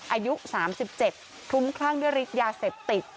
อายุ๓๗คลุ้มคลั่งด้วยฤทธิ์ยาเสพติด